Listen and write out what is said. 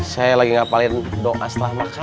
saya lagi ngapalin doa setelah makan